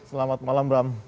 selamat malam bram